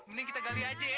mending kita gali aja ya